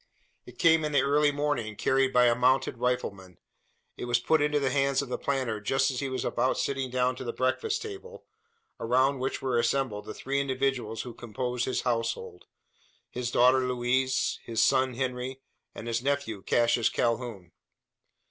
It came in the early morning, carried by a mounted rifleman. It was put into the hands of the planter just as he was about sitting down to the breakfast table, around which were assembled the three individuals who composed his household his daughter Louise, his son Henry, and his nephew Cassius Calhoun.